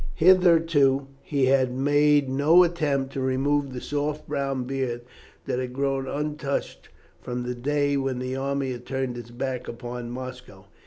Hitherto he had made no attempt to remove the soft brown beard that had grown untouched from the day when the army had turned its back upon Moscow.